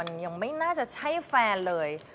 มันยังไม่น่าจะใช่แฟนเลย